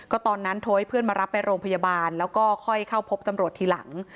ตอนนั้นโทรให้เพื่อนมารับไปโรงพยาบาลแล้วก็ค่อยเข้าพบตำรวจทีหลัง